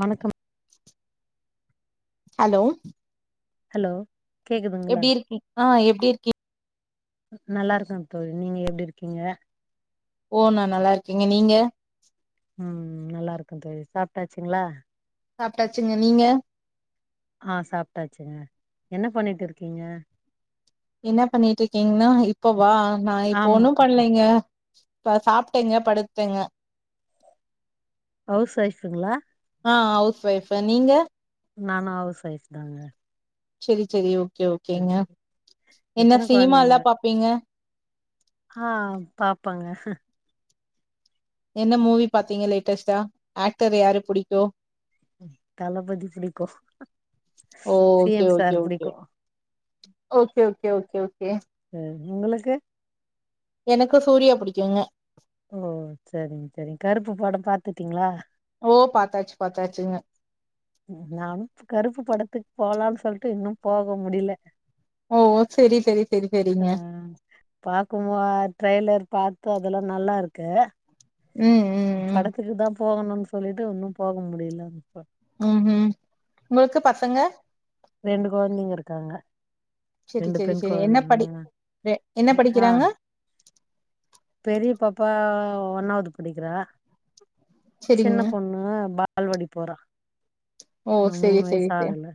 வணக்கம் hello hello கேக்குதுங்ளா எப்டி இருக்கி ஆ எப்டி இருக்கி நல்லார்க்க தோழி நீங்க எப்டி இருக்கீங்க ஓ நா நல்லார்க்கேங்க நீங்க ம் நல்லார்க்க தோழி சாப்ட்டாச்சுங்ளா சாப்டாச்சுங்க நீங்க ஆ சாப்ட்டாச்சுங்க என்ன பண்ணிட் இருக்கீங்க என்ன பண்ணிட்ருக்கீங்னா இப்ப வா நா இப்போ ஆமா ஒண்ணு பண்லைங்க பா சாப்ட்டேங்க படுத்தெங்க ஹவ்ஸ் வைஃபுங்ளா ஆ ஹவ்ஸ் வைஃப்ஃபு நீங்க நானா ஹவ்ஸ் வைஃப் தாங்க ச்செரி ச்செரி ஓகே ஓகேங்க சரி என்ன எத்தன சீமாலா பாப்பீங்க ஹா பாப்பங்க என்ன மூவி பாத்தீங்க லேட்டஸ்ட்டா ஆக்டர் யாரு புடிக்கு தளபதி பிடிக்கோ ஓ சி ஓகே எம் ஓகே சார் ஓகே புடிக்கு ஓகே ஓகே ஓகே ஓகே அ உங்களுக்கு எனக்கு சூர்யா பிடிக்குங்க ஓ ச்சரிங்க ச்சரி கருப்பு படோ பாத்துட்டீங்ளா ஓ பாத்தாச்சி பாத்தாச்சிங்க நாம் கருப்பு படத்துக் போலான்னு சொல்ட்டு இன்னு போக முடியில ஓ செரி செரி செரி செரிங்க பாக்குமோ அது ட்ரெய்லர் பாத்து அதல்லா நல்லா இருக்கு ம் ம் ம் படத்துக்கு தா போகணுன்னு சொல்ட்டு உன்னு போக முடியில ம்ஹும் உங்களுக்கு பசங்க ரெண்டு கொழந்தைங்க இருக்காங்க செரி ரெண்டு செரி பெண் செரி என்ன படி கொழந்த ரெ- என்ன [inaudible] ஆ படிக்கிறாங்க பெரிய பாப்பா ஒன்னாவ்து படிக்கிறா சின்ன செரிங்க பொண் ணு பால்வாடி போறா ஓ இன்னு மூணு செரி வயசு செரி செரி ஆகல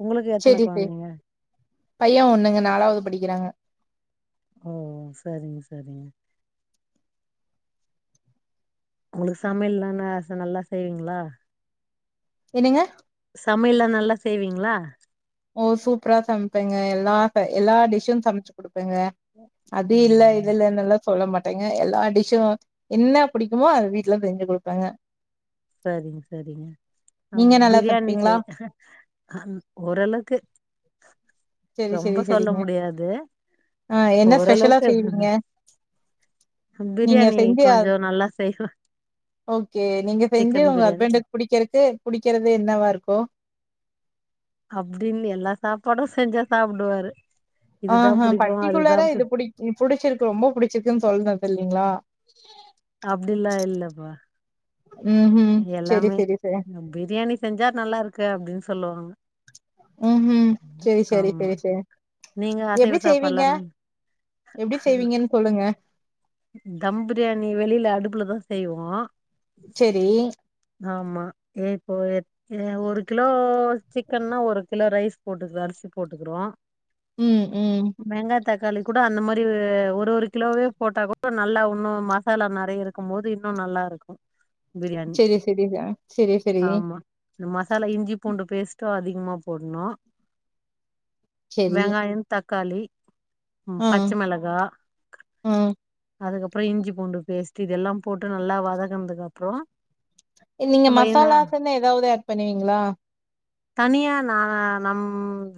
உங்களுக்கு எத்தன செரி செரி கொழந்தைங்க பைய ஒன்னுங்க நாலாவது படிக்கிறாங்க ஓ சரிங்க சரிங்க உங்களுக்கு சமையல்லா நா நல்லா செய்வீங்களா என்னங்க சமையல்லா நல்லா செய்வீங்களா ஓ சூப்பரா சமைப்பேங்க எல்லா எல்லா டிஷ்சு சமைச்சி குடுப்பேங்க அது இல்ல இது ம் இல்லேனால சொல்ல மாட்டேங்க எல்லா டிஷு என்ன புடிக்குமோ அது வீட்ல செஞ்சு குடுப்பங்க சரிங்க சரிங்க ஆ நீங்க நல்லா ப்ரியாணி சமைப்பீங்களா செய் ஓரளவுக்கு செரி ரொம்ப செரி சொல்ல செரிங்க முடியாது ஆ என்ன ஸ்பெஷலா ஓரளவுக்கு செய்வீங்க நீங்க பிரியாணி செஞ்சு ஆது கொஞ்சோ நல்லா செய்வே ஓகே நீங்க செஞ்சி சிக்கன் உங்க பிரியாணி ஹஸ்பண்டுக்கு புடிக்கிறதுக்கு புடிக்கிறது என்னவா இருக்கோ அப்டின்னு எல்லா சாப்பாடு செஞ்சா சாப்டுவாரு இதுதா ம்ஹும் புடிக்கு அதுதா பர்டிகுலரா இது புடி புடிக் ம் புடிச்சிருக்கு ரொம்ப புடிச்சிருக்குன்னு சொல்னது இல்லைங்களா அப்டில்லா இல்லப்பா ம்ஹும் செரி செரி செரி ப்ரியாணி செஞ்சா நல்லா இருக்கு அப்டின்னு சொல்லுவாங்க ம்ஹும் செரி செரி ஆமா செரி செரி நீங்க அசைவ எப்டி சாப்பாடுலா செய்வீங்க நல் எப்டி செய்வீங்கன்னு சொல்லுங்க தம் ப்ரியாணி வெளில அடுப்புல தா செய்வோ செரி ஆமா ஏ இப்போ ஏ ஒரு கிலோ சிக்கன்னன்னா ஒரு கிலோ ரைஸ் போட்டுக்க அரிசி போட்டுக்கிறோ ம், ம். வெங்காயோ தக்காளி கூட அந்த மாரி ஒரு ஒரு கிலோவே போட்டாகூ ட நல்லா இன்ணோ மசாலா நறைய இருக்கு மோது இன்னு நல்லா இருக்கு பிரியாணி செரி செரி ச செரி செரி ஆமா இந்த மசாலா இஞ்சி பூண்டு பேஸ்ட்டோ அதிகமா போட்னோ சரி. வெங்காய தக்காளி ம் பச்ச மெளகா ம் அதுக்கப்பறோ இஞ்சி பூண்டு பேஸ்ட் இதெல்லா போட்டு நல்லா வதக்குனதுக்கு அப்றோ எ நீங்க மசாலாஸ்னு ஏதாவ்து ஆட் பண்ணுவீங்களா தனியா நா நம்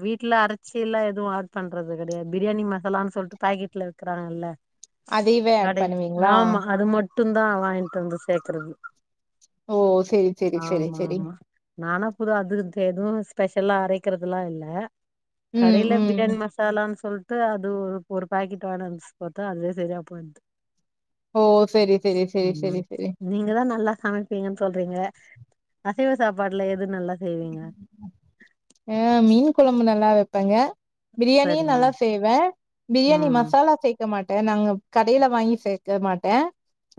வீட்டுல அரைச்சிலா எதுவு ஆட் பண்றது கெடையா ப்ரியாணி மசாலான்னு சொல்ட்டு பாக்கெட்ல விக்கிறாங்கல்ல அதையவே ஆட் கடையி பண்ணுவீங்களா? ஆமா அது மட் மட்டு தா வாங்கிட்டு வந்து சேக்கறது ஓ! சரி, சரி, சரி, ஆமா சரி. ஆமா நானா இப்ப அது இது எதுவு ஸ்பெஷல்லா அரைக்கிறதுல்லா இல்ல ம், கடையில போய் ம். சிக்கன் மசாலான்னு சொல்ட்டு அது ஒரு ஒரு பாக்கெட் வாய்ன்ட் வந்து போட்டா அதுவே சரியா போயிர்து ஓ சரி சரி சரி சரி ம் சரி நீங்க தா நல்லா சமைப்பீங்கன் சொல்றீங்க அசைவ சாப்பாட்டுல எது நல்லா செய்வீங்க ஆ மீன் கொழம்பு நல்லா வைப்பாங்க பிரியாணியு சரிங்க நல்லா செய்வே பிரியாணி ம் மசாலா செ க மாட்டே நாங்க கடையில வாங்கி சேக்க மாட்டே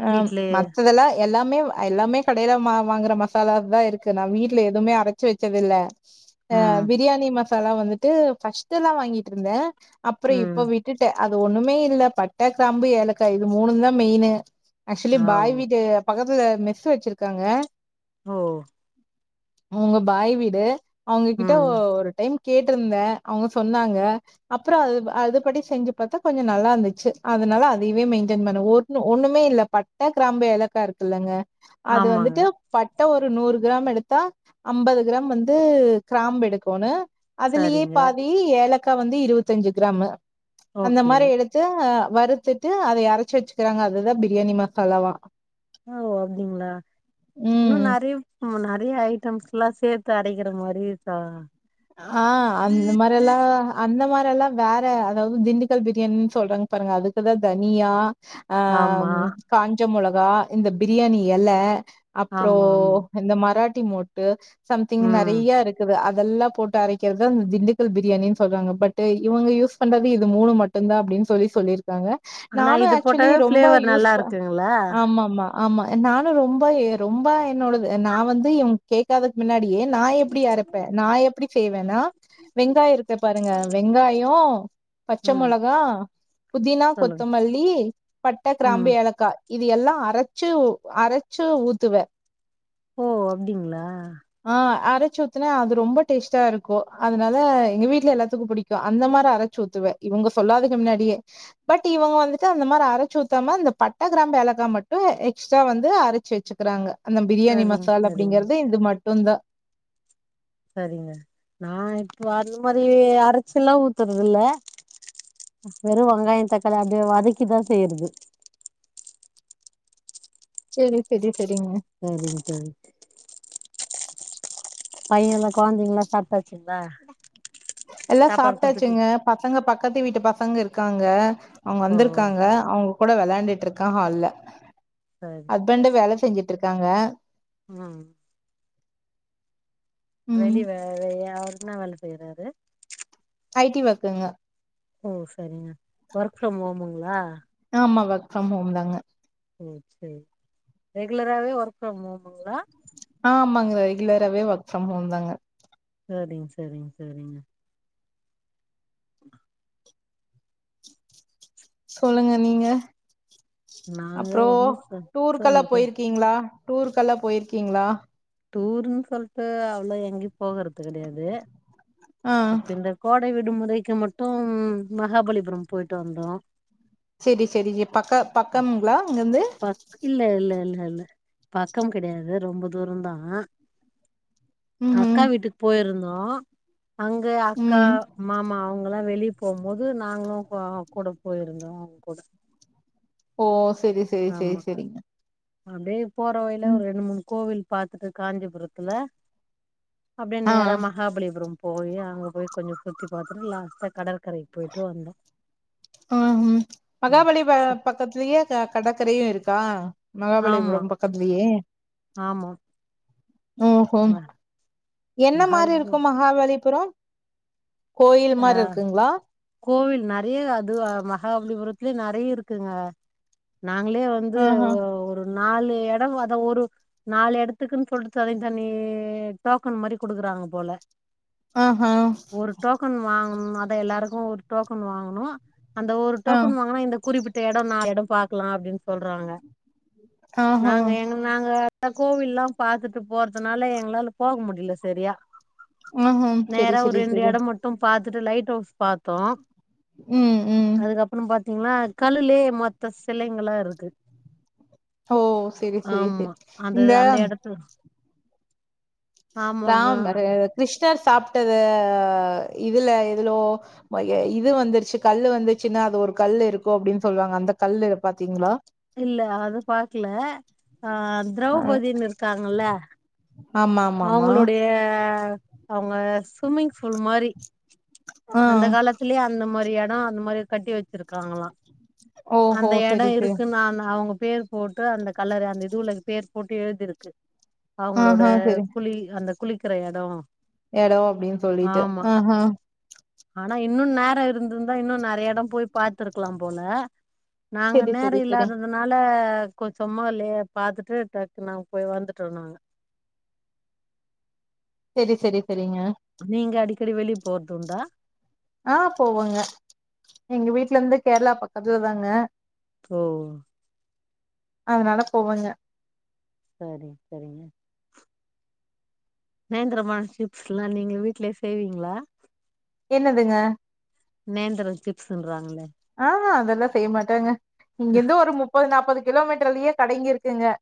அ வீட்லயே மத்ததெல்லா எல்லாமே அ எல்லாமே கடையில மா வாங்குற மசாலாஸ் தா இருக்கு நா வீட்டுல எதுவுமே அரச்சு வச்சது இல்ல அ ம் பிரியாணி மசாலா வந்துட்டு ஃபர்ஸ்ட்லா வாங்கிட்டு இருந்தே அப்புறோ ம் இப்ப விட் டுட்ட அது ஒண்ணுமே இல்ல பட்ட கிராம்பு ஏலக்கா இது மூணு தா மெயின்னு ஆக்சுவலி ஆ பாய் ஓ வீடு பக்கத்துல மெஸ்ஸு வச்சிருக்காங்க ஓ அவுங்க பாய் வீடு அவுங்ககிட்ட ம் ஒரு டைம் கேட்டிருந்தே அவுங்க சொன்னாங்க அப்புற அது அது படி செஞ்சு பாத்தா கொஞ்ச நல்லா இருந்துச்சு அதனால அதயவே மெயின்டெயின் பண்ண ஒண்ணு ஒண்ணுமே இல்ல பட்ட கிராம்பு ஏலக்கா இருக்குல்லங்க அது ஆமாங்க வந்துட்டு பட்ட ஒரு நூறு கிராம் எடுத்தா அம்பது கிராம் வந்து கிராம்பு எடுக்கணு அதுலயே சரிங்க பாதி ஏலக்கா வந்து இருவத்தஞ்சு கிராமு அந்த ஓகே மாரி எடுத்து அ வருத்துட்டு அதை அறைச்சு வச்சுக்கிறாங்க அதுதா பிரியாணி மசாலாவா ஓ அப்டிங்களா இன்னு ம் நெறைய நம்ம நெறைய ஐட்டம்ஸ்லா சேத்து அரைக்கிற மாரி இருக்கா ஆ அந்த மா ல்லா அந்த மாரிலா வேற அதாவது திண்டுக்கல் பிரியாணின்னு சொல்றாங்க பாருங்க அதுக்குதா தனியா ஆ ஆமா ம் காஞ்ச மொளகா இந்த பிரியாணி எல அப்புறோ ஆமா ஆமா இந்த மராட்டி மொட்டு சம்திங் ம் நெறைய இருக்குது அதெல்லா போட்டு அரைக்கிறதுதா திண்டுக்கல் பிரியாணின் சொல்றாங்க பட் இவுங்க யூஸ் பண்றது இது மூணு மட்டுதா அப்டின்னு சொல்லி சொல்லிரு க்காங்க ஆனா நானு இது ஆக்சுவலி போட்டாவே ரொம்ப ஃபிளேவர் யூஸ் நல்லா ப இருக்குங்களா ஆமாமா ஆமா நானு ரொம்ப ரொம்ப என்னோடது நா வந்து எ கேக்காதுக்கு முன்னாடியே நா எப்டி அரப்பே நா எப்டி செய்வேன்னா வெங்காய இருக்கு பாருங்க வெங்காய பச்ச ம் மொளகா புதினா சொல்லுங்க கொத்தமல்லி பட்ட கிராம்பு ம் ஏலக்கா இது எல்லா அரச்சு அரச்சு ஊத்துவே ஓ அப்டிங்களா ஆ அரச்சு ஊத்துனா அது ரொம்ப டேஸ்ட்டா இருக்கு அதனால எங்க வீட்டுல எல்லாத்துக்கு புடிக்கு அந்த மாரி அரைச்சு ஊத்துவே இவுங்க சொல்லாதுக்கு முன்னாடியே பட் இவங்க வந்துட்டு அந்த மாரி அரைச்சு ஊத்தாம இந்த பட்ட கிராம்பு ஏலக்கா மட்டு எக்ஸ்ட்ரா வந்து அரைச்சு வச் ச்சுக்கிறாங்க அந்த பிரியாணி சரிங்க மசாலா சரிங்க அப்டிங்கறது இது மட்டுதா சரிங்க நா இப்போ அது மாரி அரைச்சிலா ஊத்துறதில்ல வெறு வெங்காய தக்காளி அப்டியே வதக்கி தா செய்யிறது செரி செரி செரிங்க சரிங்க தோழி பையன்லா கொழந்தைங்கலா சாப்ட்டாச்சுங்களா எல்லா சாப்பாடு குடுத்துட்டு சாப்ட்டாச்சுங்க பசங்க பக்கத்து வீட்டு பசங்க இருக்காங்க அவங்க ஓ வந்திருக்காங்க அவங்க கூட வெளயாண்டுட்டு இருக்கா ஹால்ல சரிங்க ஹஸ்பண்ட் சரிங்க வேல செஞ்சுட்டு இருக்காங்க ம் ம். வெளி வே வெ அவருன்ணா வேல செய்றாரு ஐ டி வர்க்குங்க ஓ சரிங்க ஒர்க் ஃப்ரம் ஹோமுங்களா ஆமா ஒர்க் ஃப்ரம் ஹோம் தாங்க ஓ செரி ரெகுலராவே ஒர்க் ஃப்ரம் ஹோமுங்களா ஆமாங்க ரெகுலராவே ஒர்க் ஃப்ரம் ஹோம் தாங்க சரிங் சரிங் சரிங்க சொல்லுங்க நீங்க நாங்க ஒன்னு சத்தருது கீங்களா டூர்க்கெல்லா போய்ற்கீங்களா டூர்ன் சொல்ட்டு அவ்ளோ எங்யு போகறது கெடையாது ஆ இப்ப இந்த கோடை விடுமுறைக்கு மட்டும் மகாபலிபுரம் போயிட்டு வந்தோ சேரி சேரி ப் பக்க பக்கம்களா அங்கருந்து பக் இல்ல இல்ல இல்ல இல்ல பக்கம் கெடையாது ரொம்ப தூரம் தா ம் அக்கா ம் வீட்டுக்கு போயிருந்தோ அங்க அக்கா ம் மாமா அவெங்களா வெளி போம்போது நாங்களு ஆ கூட போயிருந்தோ அவங் கூட ஓ செரி செரி செரி செரி அப்டே போறவழில ஒரு ரெண்டு மூணு கோவில் பாத்துட்டு காஞ்சிபுரத்துல அப்டே ஆ நேரா ம மகாபலிபுரோ போயி அங்க போய் கொஞ்சோ சுத்தி பாத்துட்டு லாஸ்ட்டா கடல்கரைக்கு போய்ட்டு வந்தோ ஆ ம் மகாபலி ப பக்கத்லேயே கடற்கரையு இருக்கா ஆமா மகாபலிபுரம் பக்கத்லையே ஆமா ஓ ஓ ம என்ன மாரி மகாலிபு இருக்கு மகாபலிபுரோ கோயில் ஆ மார் இர்குங்களா கோவில் நெறைய அது மகாபலிபுரத்தலயே நெறைய இருக்குங்க நாங்ளே ந்து ஆஹா ஒரு ஒரு நாலு எடோ அத ஒரு நாலு எடத்துக்குன் சொல்டு தனி தனி டோக்கன் மாரி குடுக்குறாங்க போல ஆ ஆ ஒரு டோக்கன் வாங்கணு அத எல்லாருக்கு ஒரு டோக்கன் வாங்கணு அந்த ஒரு ஆ டோக்கன் வாங்கினா இந்த குறிப்பிட் ட்ட எடோ நாலு எடோ பாக்கலா அப்டின்னு சொல்றாங்க ஆஹா நாங்க எங்க நாங்க கோவில்லா பாத்துட்டு போறதுனால எங்களால போக முடியல சரியா ஆஹா நேர செரி ஒரு செரி ரெண்டு செரி எடோ மட் ட்டும் பாத்துட்டு லைட் ஹவுஸ் பாத்தோ ம் ம் அதுகப்றோ திங்னா கல்லுலே மத்த சிலைங்களா இருக்கு ஓ செரி செரி செரி ஆமா அந்த இந்த அந்த எடத்துல ராம் கிருஷ்ணர் சாப்ட்டது இதுல எதுலோ வைய இது வந்துருச்சு கல்லு வந்துச்சுன்னா அது ஒரு கல் இருக்கு அப்டின்னு சொல்லுவாங்க அந்த கல்லு பாத்தீங்களா இல்ல அது பாக்கல ஆ அஹ், திரௌபதிணு இருக்காங்கல்ல ஆமா ஆமா ஆமா அவுங்களுடைய அவங்க சுமிங் பூல் மாரி ஆ அந்த காலத் திலே அந்த மாரி எடோ அந்த மாரி கட்டி வச்ருக்காங்களா ஓஹோ அந்த எடோ செரி செரி இருக்குன்னான் அவங்க பேர் போட்டு அந்த கல்லரை அந்த இதுலக பேர் போட்டு எழுதிருக்கு அவங்களோட ஆஹா செரி குழி அந்த குளிக்கிற எடோ எடோ அப்டின் சொல்லிட்டு ஆமா ஆஹா ஆனா இன்னு நேரோ இருந்திருந்தா இன்னு நெறைய எடோ போய் பாத்ருக்கலா போல நாங்க செரி நேர செரி செரி இல்லாதத அதனால கொ சும்மல்லே பாத்துட்டு டக் நா போய் வந்துட்டோ நாங்க செரி செரி செரிங்க நீங்க அடிக்கடி வெளிய போறதுன்டா ஆ போவங்க எங்க வீட்ல இருந்து கேர்ளா பக்கத்துல தாங்க ஓ அதனால போவங்க சரி சரிங்க நேந்திரம்பழ சிப்ஸ்லா நீங்க வீட்லே செய்வீங்களா என்னதுங்க நேந்தர சிப்ஸுன்றாங்களே ஆஹா அதெல்லா செய்ய மாட்டேங்க இங்கருந்து ஒரு முப்பது நாப்பது கிலோமீட்டர்லயே கடைங்கிருக்குங்க [inaudible]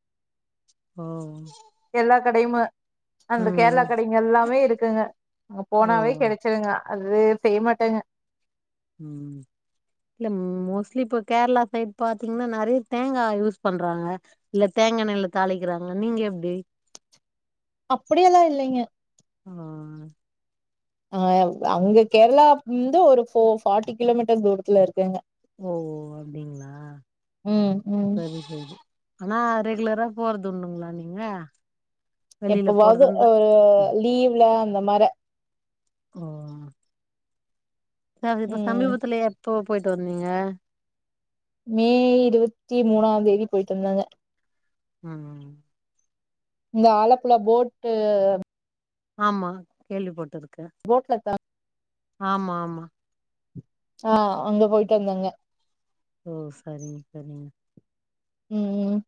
ஓ எல்லா கடையுமு அந்த கேரளா ம் கடைங்க எல்லாமே இருக்குங்க அங்க ஓ போனாவே கெடைச் சிருங்க அது செய்ய மாட்டேங்க ம் இல்ல மோஸ்ட்லி இப்ப கேர்ளா சைட் பாத்தீங்கன்னா நெறைய தேங்கா யூஸ் பண்றாங்க இல்ல தேங்காண்ணெயில தாளிக்கிறாங்க நீங்க எப்டி அப்படியெல்லா இல்லீங்க ம் ஆ அங்க கேர்ளா வந்து ஒரு போ ஃபார்ட்டி கிலோமீட்டர் தூரத்துல இருக்கேங்க ஓ அப்டிங்களா ம் ம் சரி சேரி ஆனா ரெகுலரா போறது உண்டுங்களா நீங்க வெளியில போறது எப்பவாவது இருந்தா அ லீவ்ல அந்த மார ஓ சவ் இப்ப ம் சமீபத்துல எப்ப போயிட்டு வந்தீங்க மே இருவத்தி மூணாந்தேதி போயிட்டு வந்தாங்க ம் இந்த ஆலப்புழா போட்டு ஆமா கேள்வி பட்டுருக்கே போட்ல கா ஆமாமா ஆ அங்க போயிட்டு வந்தாங்க ஓ சரிங் சரிங்க ம் ம்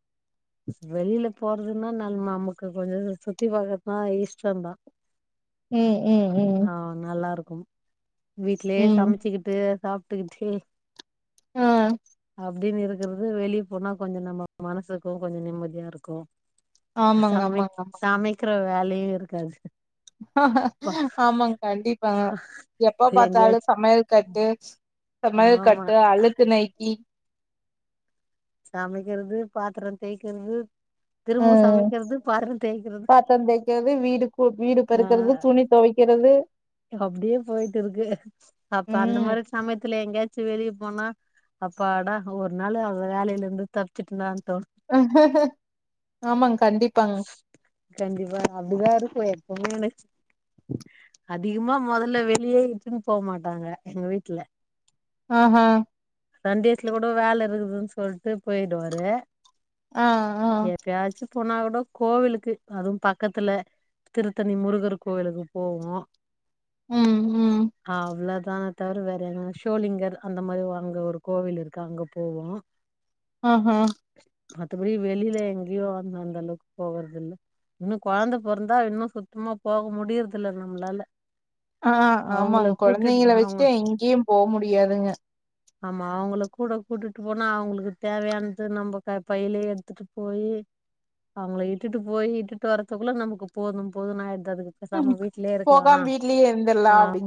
வெளில போறதுன்னா நம் நமக்கு கொஞ்சோ சுத்தி பாக்கறதுனா இஷ்டோந்தா ம் ம் ம் ஆ நல்லா இருக்கு வீட்லயே ம் சமைச்சுக்கிட்டு சாப்ட்டுக்கிட்டு அ அப்டின் இருக்கறது வெளிய போனா கொஞ்ச நம்ம மனசுக்கு கொஞ்ச நிம்மதியா இருக்கு ஆமாங்க சாமைக் ஆமாங்க சமைக்கிற வேலயே இருக்காது அப்பா ஆமாங்க கண்டிப்பாங்க எப்ப பாத்தாலு ச எங்கேயாச்சு சமையல் கட்டு சமையல் ஆமா கட்டு அழுக்கு நைட்டி சமைக்கிறது பாத்தரோ தேய்க்கிறது அ திரும்ப சமைக்கிறது பாத்திரோ தேய்க்கிறது பாத்தரோ தேய்க்கறது வீடுக்கூ வீடு ஆ பெருக்கறது துணி தொவை க்கிறது அப்டியே போயிட்டு இருக்கு அப்ப அந்த ம் மாரி சமயத்துல எங்கயாச்சு வெளிய போனா அப்பாடா ஒரு நாள் அவ வேலையில இருந்து தப்ச்சுட்டண்டா தோ ஆமாங் கண்டிப்பாங் கண்டிப்பா அப்டி தா இருக்கு எப்போமே எனக் [inaudible] அதிகமா முதல்ல வெளியே இட்னு போ மாட்டாங்க எங்க வீட்ல ஆ ஆ சன்டேஸ்ல கூட வேல இருக்குதுன்னு சொல்டு போய்டுவாரு அ அ எப்யாச்சு போனா கூட கோவிலுக்கு அதுவோ பக்கத்துல திருத்தணி முருகர் கோவிலுக்கு போவோ ம், ம். அவ்ளோதான தவிர வேறு எங் ஷோலிங்கர் அந்த மாரி வாங்க அங்க ஒரு கோவில் இருக்கு அங்க போவோ ஆ ஆ மத்தபடி வெளில எங்யோ அந்தந் அளவுக்கு போகறதில்ல இன்னோ கொழந்த பொறந்தா இன்னோ சுத்தமா போக முடிற்தில்ல நம்ளால ஆ ஆமாங்க கொழந்திங்கள அவங்க வச்சுட்டு எங்கியோ போ முடியாதுங்க ஆமா அவுங்ள கூட கூட்டிட்டு போனா அவுங்ளுக்கு தேவ்யான்து நம்ப பைய்லியே எடுத்துட்டு போயி் அவங்கள இட்டுட்டு போய் இட்டுட்டு வரதுக்குள்ள நமக்கு போது போதுன்னு ஆயிர்து அதுகு ம் போகாம வீட்லயே இருந்துலா அப்டி